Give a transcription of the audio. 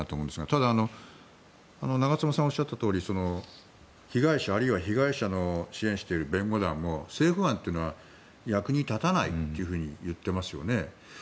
ただ、長妻さんがおっしゃったとおり被害者、あるいは被害者を支援している弁護団も政府案というのは役に立たないと言っていますよね。